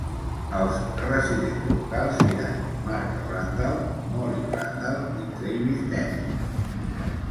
Els residents locals eren Mark Randall, Molly Randall i Travis Dennett.